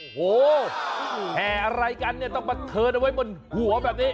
โอ้โหแห่อะไรกันเนี่ยต้องประเทินเอาไว้บนหัวแบบนี้